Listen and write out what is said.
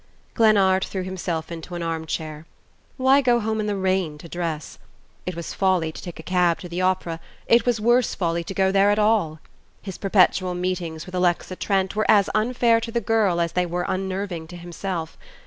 Glennard threw himself into an arm chair. Why go home in the rain to dress? It was folly to take a cab to the opera, it was worse folly to go there at all. His perpetual meetings with Alexa Trent were as unfair to the girl as they were unnerving to himself.